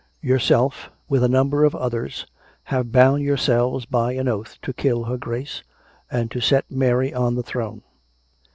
" Yourself, with a number of others, have bound your selves by an oath to kill her Grace, and to set Mary on the throne.